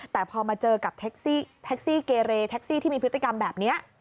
แต่พอมาเจอกับแท็กซี่เกเรแท็กซี่ที่มีพฤติกรรมแบบนี้